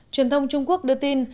truyền thông trung quốc đưa tin